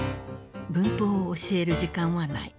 文法を教える時間はない。